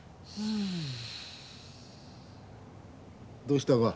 どうしたが？